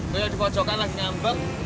gue yang di pojokan lagi ngambek